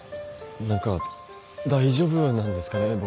何か大丈夫なんですかね？